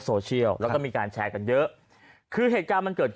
โซเชียลแล้วก็มีการแชร์กันเยอะคือเหตุการณ์มันเกิดขึ้น